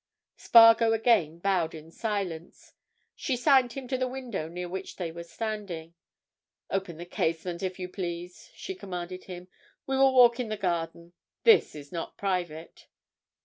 Spargo again bowed in silence. She signed him to the window near which they were standing. "Open the casement, if you please," she commanded him. "We will walk in the garden. This is not private."